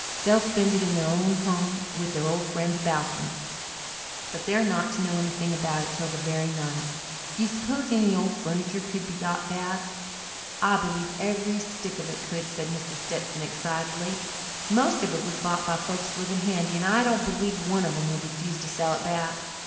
They'll spend it in their own home with their old friends about them. But they're not to know anything about it till the very night. Do you s'pose any of the old furniture could be got back?" "I believe every stick of it could," said Mrs. Stetson excitedly. "Most of it was bought by folks living handy and I don't believe one of them would refuse to sell it back.